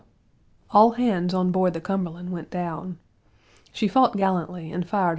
All hands on board the Cumberland went down. She fought gallantly and fired a round as she sank.